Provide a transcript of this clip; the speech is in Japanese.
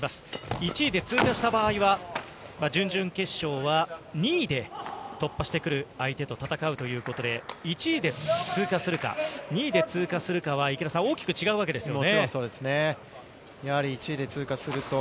１位で通過した場合は、準々決勝は２位で突破してくる相手と戦うということで、１位で通過するか、２位で通過するかは池田さん、大きく違うわけですよね。